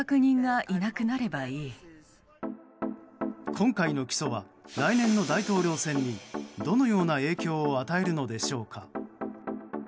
今回の起訴は来年の大統領選にどのような影響を与えるのでしょうか。